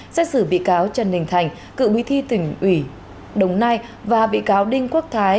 xét xử bị cáo trần đình thành cựu bí thư tỉnh ủy đồng nai và bị cáo đinh quốc thái